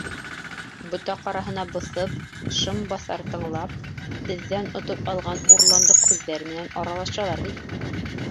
Ботаҡ араһына боҫоп, шымбаҫар тыңлап, беҙҙән отоп алған урландыҡ һүҙҙәр менән аралашалар бит.